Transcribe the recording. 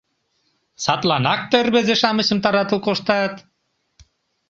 Садланак тый рвезе-шамычым таратыл коштат?